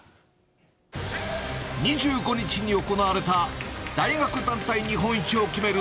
２５日に行われた、大学団体日本一を決める